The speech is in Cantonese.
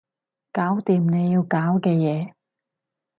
搞掂你要搞嘅嘢